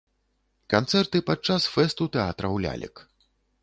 Канцэрты падчас фэсту тэатраў лялек.